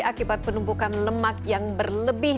akibat penumpukan lemak yang berlebih